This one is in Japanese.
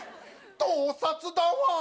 盗撮だわ！